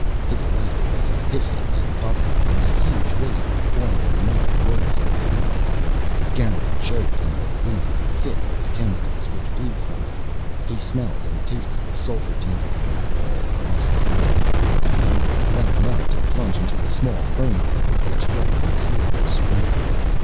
To the left was a hissing and bubbling, and a huge wave of boiling mud arose in the air. Garin choked in a wind, thick with chemicals, which blew from it. He smelled and tasted the sulphur tainted air all across the plain. And he was glad enough to plunge into a small fern grove which half concealed a spring.